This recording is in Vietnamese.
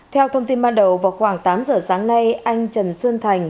theo thông tin ban đầu vào khoảng tám giờ sáng nay anh trần xuân thành